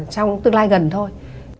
trong tương lai gần thôi